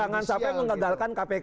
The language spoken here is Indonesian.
jangan sampai mengendalikan kpk